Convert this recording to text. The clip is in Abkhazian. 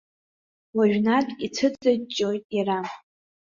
Уажәнатә ицәыҵыҷҷоит иара.